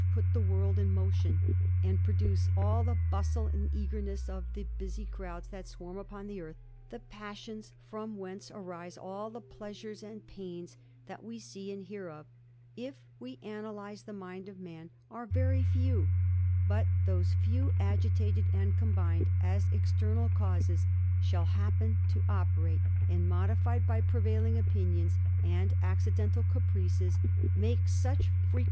put the world in motion, and produce all the bustle eagerness of the busy crowds that swarm upon the eartti. . the passions, from whence arise all the pleasures and pairx^ that we see and hear of, if we analyse the mind of man, ar^ very few ; but those few agitated and combined, as extern^ causes shall happen to operate, and modified by prevailir*^ opinions, and accidental caprices, make such frequed.